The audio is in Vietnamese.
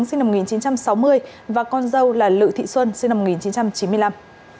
sinh năm một nghìn chín trăm sáu mươi và con dâu là lự thị xuân sinh năm một nghìn chín trăm chín mươi năm